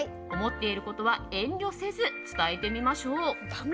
思っていることは遠慮せず伝えてみましょう。